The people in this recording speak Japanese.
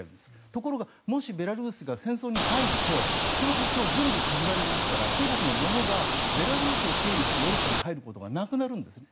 ところが、もしベラルーシが戦争に入るとその国境は全部閉じられますから中国のものがベラルーシを経由してヨーロッパに入ることはなくなるんですね。